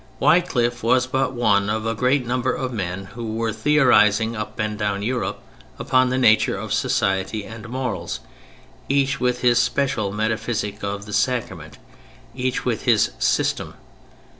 Wycliffe was but one of a great number of men who were theorizing up and down Europe upon the nature of society and morals, each with his special metaphysic of the Sacrament; each with his "system."